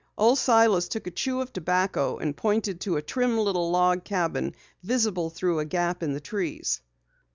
Old Silas took a chew of tobacco and pointed to a trim little log cabin visible through a gap in the trees.